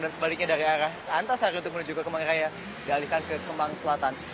dan sebaliknya dari arah antasari untuk menuju ke kemangiraya dialihkan ke kemang selatan